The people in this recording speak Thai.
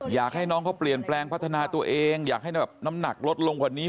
อยากให้น้องเขาเปลี่ยนแปลงพัฒนาตัวเองอยากให้แบบน้ำหนักลดลงกว่านี้